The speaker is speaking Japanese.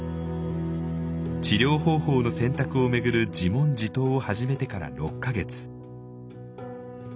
治療方法の選択を巡る自問自答を始めてから６か月。